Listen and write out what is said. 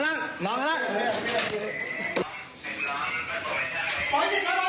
น้องลงมาข้างล่างน้องลงมาข้างล่าง